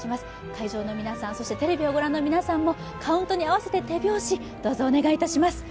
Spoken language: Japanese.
会場の皆さん、そしてテレビをご覧の皆さんもカウントに合わせて手拍子、どうぞお願いいたします。